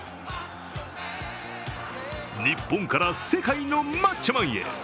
日本から世界のマッチョマンへ。